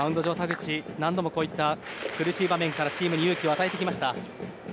口は何度もこういった苦しい場面からチームに勇気を与えてきました。